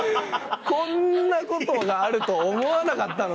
こんなことがあると思わなかったので。